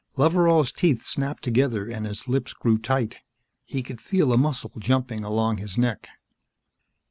Loveral's teeth snapped together and his lips grew tight. He could feel a muscle jumping along his neck.